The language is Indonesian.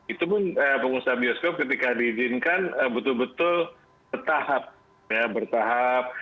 itu pun pengusaha bioskop ketika diizinkan betul betul bertahap